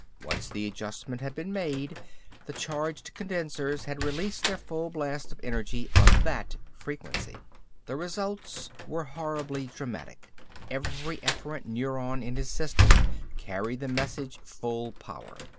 Once the adjustment had been made, the charged condensers had released their full blasts of energy on that frequency. The results were horribly dramatic. Every efferent neuron in his system carried the message full power.